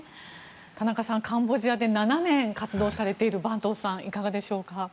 田中さんカンボジアで７年活動されている板東さん、いかがでしょうか？